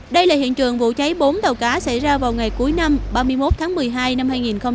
đây là hiện trường vụ cháy bốn tàu cá xảy ra vào ngày cuối năm ba mươi một tháng một mươi hai năm hai nghìn một mươi tám